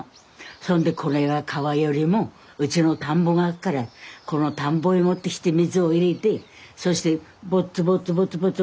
そんでこれは川よりもうちの田んぼがあっからこの田んぼへ持ってきて水を入れてそしてボッツボッツボッツボッツ